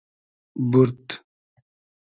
بورد